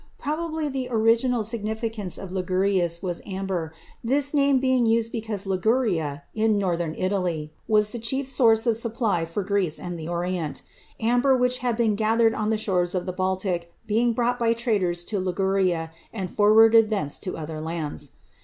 Probably the original significance of ligurius was amber, this name being used because Liguria, in northern Italy, was the chief source of supply for Greece and the Orient; amber which had been gathered on the shores of the Baltic being brought by traders to Liguria and forwarded thence to other lands.